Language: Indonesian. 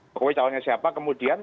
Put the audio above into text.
jokowi calonnya siapa kemudian